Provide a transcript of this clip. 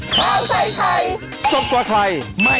โปรดติดตามตอนต่อไป